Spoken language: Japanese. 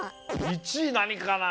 １位なにかな？